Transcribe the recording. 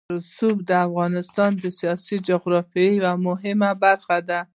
رسوب د افغانستان د سیاسي جغرافیه یوه مهمه برخه ده.